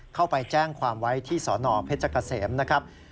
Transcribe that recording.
เข้าไปแจ้งความไว้ที่สนเพชรเกษมนะครับ